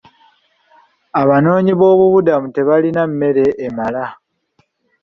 Abanoonyi b'obubudamu tebalina mmere emala.